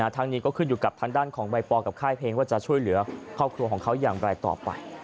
ทั้งนี้ก็ขึ้นอยู่กับทางด้านของใบปอลกับค่ายเพลงว่าจะช่วยเหลือครอบครัวของเขาอย่างไรต่อไป